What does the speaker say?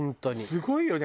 すごいよね。